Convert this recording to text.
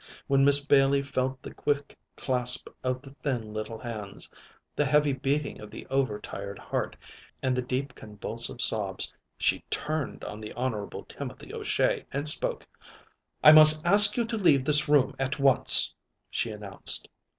When Miss Bailey felt the quick clasp of the thin little hands, the heavy beating of the over tired heart, and the deep convulsive sobs, she turned on the Honorable Timothy O'Shea and spoke: "I must ask you to leave this room at once," she announced.